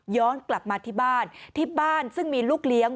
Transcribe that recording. กลับมาที่บ้านที่บ้านซึ่งมีลูกเลี้ยง